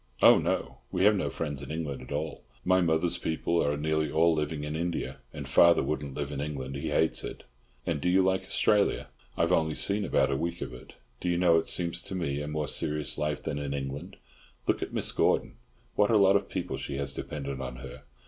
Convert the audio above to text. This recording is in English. "Oh, no. We have no friends in England at all. My mother's people are nearly all living in India, and father wouldn't live in England. He hates it." "And do you like Australia?" "I've only seen about a week of it. Do you know, it seems to me a more serious life than in England. Look at Mrs. Gordon, what a lot of people she has dependent on her.